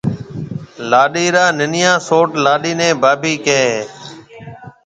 لاڏيَ را ننَيان سئوٽ لاڏيِ نَي ڀاڀِي ڪهيَ هيَ۔